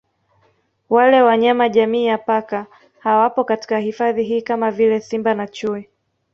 Wale wanyama jamii ya Paka hawapo katika hifadhi hii kama vile Simba na Chui